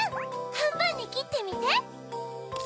はんぶんにきってみて。